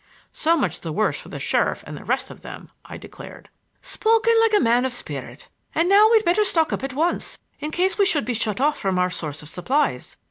"So much the worse for the sheriff and the rest of them!" I declared. "Spoken like a man of spirit. And now we'd better stock up at once, in case we should be shut off from our source of supplies.